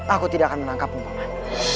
aku tidak akan menangkapmu paman